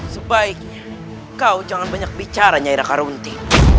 sebaiknya kau jangan banyak bicara nyaira karonti